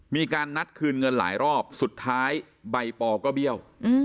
มีการนัดคืนเงินหลายรอบสุดท้ายใบปอก็เบี้ยว